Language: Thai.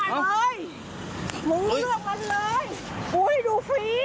แม่กูขอเปิดดู